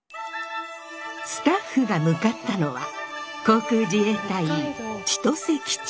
スタッフが向かったのは航空自衛隊千歳基地。